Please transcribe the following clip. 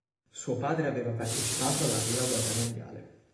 Suo padre aveva partecipato alla prima guerra mondiale.